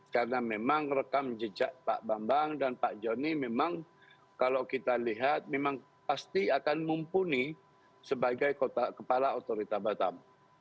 karena memang rekam jejak pak bambang dan pak joni memang kalau kita lihat memang pasti akan mumpuni sebagai kepala otoritas batam